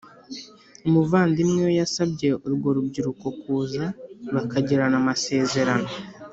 Umuvandimwe we yasabye urwo rubyiruko kuza bakagirana amasezerano